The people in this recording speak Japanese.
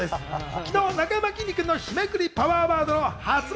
昨日『なかやまきんに君の日めくりパワー！ワード！』の発売